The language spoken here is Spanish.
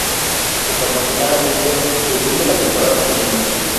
Desafortunadamente desciende la temporada siguiente.